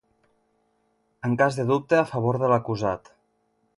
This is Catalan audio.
En cas de dubte, a favor de l'acusat.